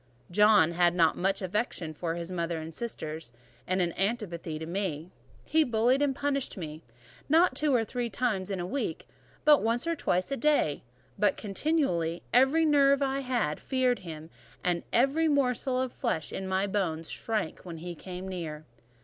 John had not much affection for his mother and sisters, and an antipathy to me. He bullied and punished me; not two or three times in the week, nor once or twice in the day, but continually: every nerve I had feared him, and every morsel of flesh in my bones shrank when he came near.